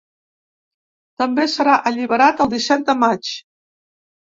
També serà alliberat el disset de maig.